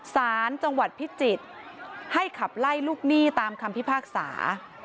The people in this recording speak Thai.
สารจังหวัดพิจิตรให้ขับไล่ลูกหนี้ตามคำพิพากษา